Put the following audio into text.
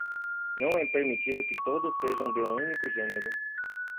Não é permitido que todos sejam de um único gênero